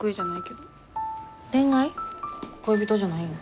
恋人じゃないん？